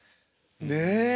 ねえ。